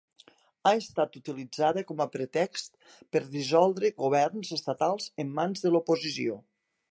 Ha estat utilitzada com a pretext per dissoldre governs estatals en mans de l’oposició.